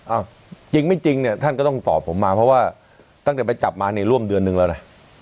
จริงไม่จริงเนี่ยท่านก็ต้องตอบผมมาเพราะว่าตั้งแต่ไปจับมาเนี่ยร่วมเดือนนึงแล้วนะ